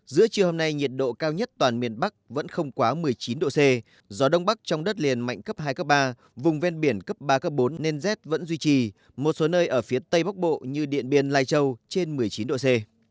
giữa trưa hôm nay nhiệt độ cao nhất toàn miền bắc vẫn không quá một mươi chín độ c gió đông bắc trong đất liền mạnh cấp hai cấp ba vùng ven biển cấp ba bốn nên rét vẫn duy trì một số nơi ở phía tây bắc bộ như điện biên lai châu trên một mươi chín độ c